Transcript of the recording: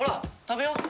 食べよう！